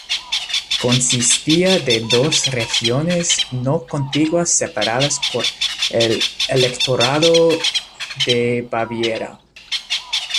Consistía de dos regiones no contiguas separadas por el Electorado de Baviera.